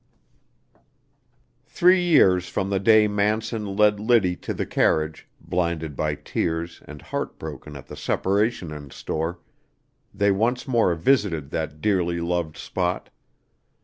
Three years from the day Manson led Liddy to the carriage, blinded by tears and heart broken at the separation in store, they once more visited that dearly loved spot.